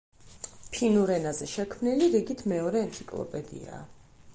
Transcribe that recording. ფინურ ენაზე შექმნილი რიგით მეორე ენციკლოპედიაა.